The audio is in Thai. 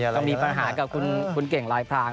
เรามีปัญหากับคุณเก่งลายพราง